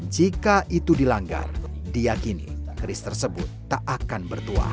jika itu dilanggar diakini keris tersebut tak akan bertua